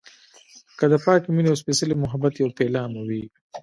که د پاکې مينې او سپیڅلي محبت يوه پيلامه وي.